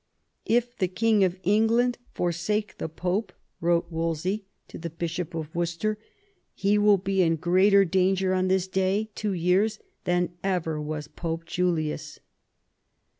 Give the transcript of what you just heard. " If the King of England forsake the Pope," wrote Wolsey to the Bishop m THE UNIVERSAL PEACE 89 of Worcester, " he will be in greater danger on this day two years than ever was Pope Julius."